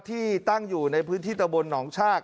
ที่ตั้งอยู่ในพื้นที่ตะบนหนองชาก